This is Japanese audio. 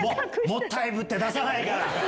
もったいぶって出さないから！